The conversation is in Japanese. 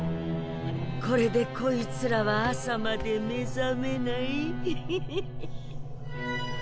これでこいつらは朝まで目覚めないイヒヒヒ。